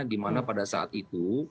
dimana pada saat itu